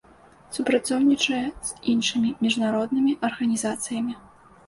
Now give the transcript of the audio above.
Супрацоўнічае з іншымі міжнароднымі арганізацыямі.